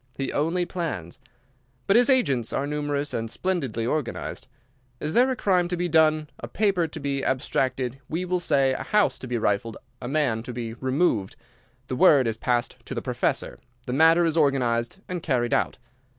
He only plans. But his agents are numerous and splendidly organized. Is there a crime to be done, a paper to be abstracted, we will say, a house to be rifled, a man to be removed—the word is passed to the Professor, the matter is organized and carried out.